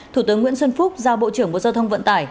thủ tướng nguyễn xuân phúc giao bộ trưởng bộ giao thông vận tải